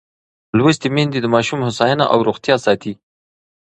لوستې میندې د ماشوم هوساینه او روغتیا ساتي.